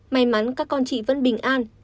may mắn các con chị vẫn bình an